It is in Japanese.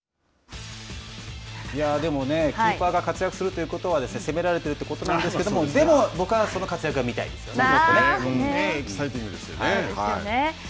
でも、キーパーが活躍するということは攻められているということなんですけれどもでも僕はその活躍が見たいですよね。